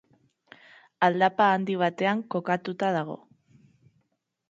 Aldapa handi batean kokatuta dago.